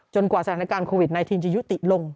กว่าสถานการณ์โควิด๑๙จะยุติลง